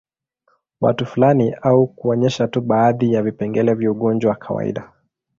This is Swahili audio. Watu fulani au kuonyesha tu baadhi ya vipengele vya ugonjwa wa kawaida